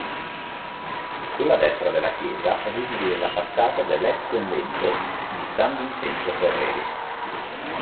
Sulla destra della chiesa è visibile la facciata dell'ex-convento di San Vincenzo Ferreri.